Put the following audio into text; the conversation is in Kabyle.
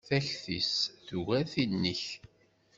Takti-s tugar tin-ik.